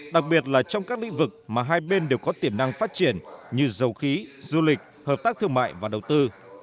đặc biệt là trong các lĩnh vực mà hai bên đều có tiềm năng phát triển như dầu khí du lịch hợp tác thương mại và đầu tư